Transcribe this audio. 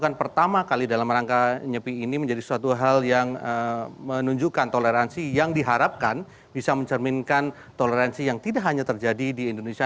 yang pertama kali dalam rangka nyepi ini menjadi suatu hal yang menunjukkan toleransi yang diharapkan bisa mencerminkan toleransi yang tidak hanya terjadi di indonesia